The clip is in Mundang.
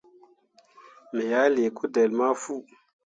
Me ah lii kudelle ma fu.